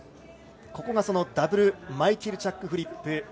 ここがダブルマイケルチャックフリップ。